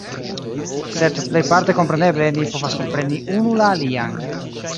Sed plejparte kompreneble ni povas kompreni unu la alian.